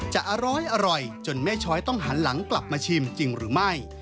อร้อยจนแม่ช้อยต้องหันหลังกลับมาชิมจริงหรือไม่